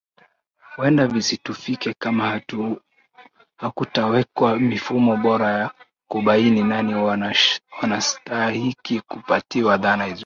Huenda visitufike kama hakutawekwa mifumo bora ya kubaini nani wanastahiki kupatiwa dhana hizo